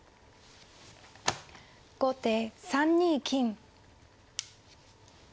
後手３二金。